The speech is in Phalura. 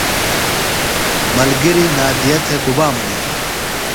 ملگِریۡ نادیہ تھےۡ گُبا منِیتوۡ؟